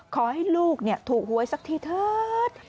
ขอให้ลูกถูกหวยสักทีเถิด